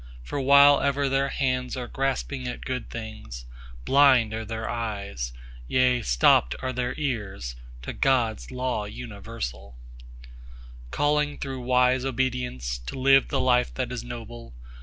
—for while ever their hands are grasping at good things, Blind are their eyes, yea, stopped are their ears to God's Law universal, Calling through wise obedience to live the life that is noble.